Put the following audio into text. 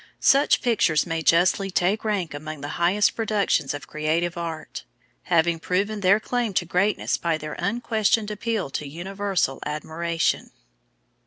Such pictures may justly take rank among the highest productions of creative art, having proven their claim to greatness by their unquestioned appeal to universal admiration.